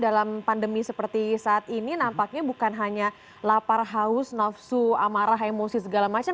dalam pandemi seperti saat ini nampaknya bukan hanya lapar haus nafsu amarah emosi segala macam